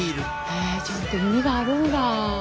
へえちゃんと意味があるんだ。